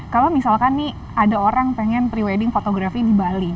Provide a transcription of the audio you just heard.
kalau misalkan nih ada orang pengen pre wedding fotografi di bali